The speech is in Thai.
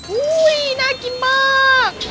ฮู้ยน่ากินมาก